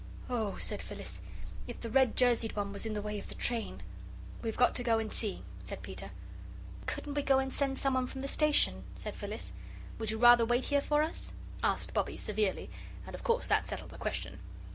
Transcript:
"Oh," said Phyllis, "if the red jerseyed one was in the way of the train!" "We've got to go and see," said Peter. "Couldn't we go and send someone from the station?" said Phyllis. "Would you rather wait here for us?" asked Bobbie, severely, and of course that settled the question.